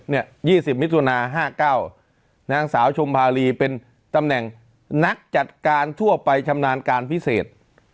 เนี้ยยี่สิบมิตุณาห้าเก้านางสาวชมภาลีเป็นตำแหน่งนักจัดการทั่วไปชำนาญการพิเศษ